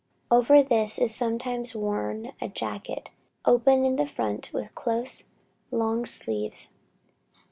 Over this is sometimes worn a jacket, open in front with close, long sleeves.